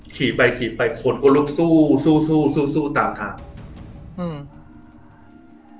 ขี่ไปขี่ไปคนก็ลุกสู้สู้สู้สู้ตามทางอืม